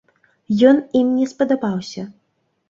Ён ім не спадабаўся.